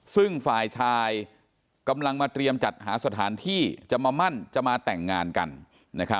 ซึ่งฝ่ายชายกำลังมาเตรียมจัดหาสถานที่จะมามั่นจะมาแต่งงานกัน